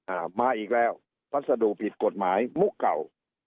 อ่ามาอีกแล้วพัสดุผิดกฎหมายมุกเก่า